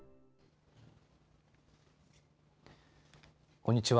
こんにちは。